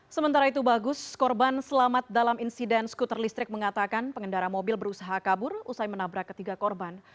sementara itu bagus korban selamat dalam insiden skuter listrik mengatakan pengendara mobil berusaha kabur usai menabrak ketiga korban